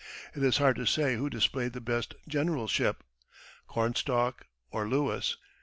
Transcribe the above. It is hard to say who displayed the best generalship, Cornstalk or Lewis.